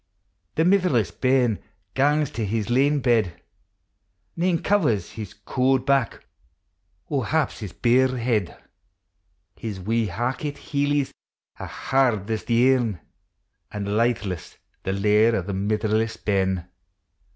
The mitherless bairn pangs to his lane bed; Xane covers his cauld back, or haps his bare head; JJ i« wee hackit hcelics are hard as the aim, An' litheless the lair o1 the mitherless bairn.